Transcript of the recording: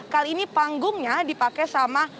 kali ini panggungnya dipakai sama